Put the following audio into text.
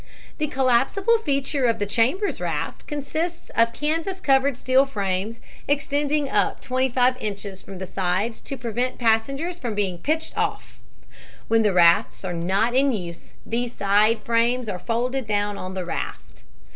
The collapsible feature of the Chambers raft consists of canvas covered steel frames extending up twenty five inches from the sides to prevent passengers from being pitched off. When the rafts are not in use these side frames are folded down on the raft.